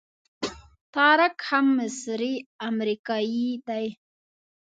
طارق هم مصری امریکایي دی.